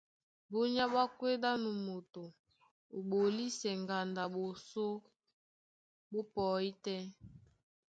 Búnyá ɓwá kwédí á nú moto ó ɓolisɛ ŋgando a ɓosó ɓó pɔí tɛ́,